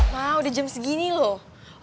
mah udah jam segini loh